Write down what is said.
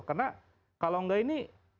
karena kalau gak ini